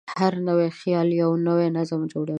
هر نوی خیال یو نوی نظم جوړوي.